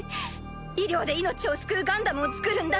医療で命を救うガンダムを造るんだって